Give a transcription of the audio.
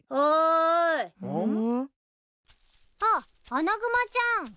あっアナグマちゃん。